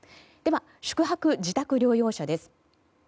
では、宿泊・自宅療養者です。